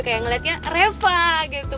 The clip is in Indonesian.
kayak ngeliatnya reva gitu